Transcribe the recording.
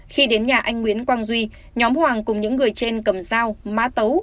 khi đến nhà anh nguyễn quang duy nhóm hoàng cùng những người trên cầm dao mã tấu